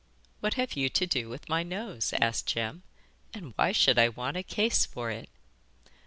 'What have you to do with my nose?' asked Jem. 'And why should I want a case for it?